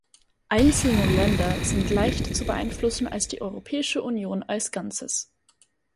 Einzelne Länder sind leichter zu beeinflussen als die Europäische Union als Ganzes.